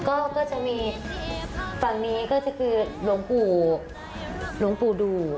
ก็จะมีฝั่งนี้ก็คือหลวงปู่หลวงปู่ดู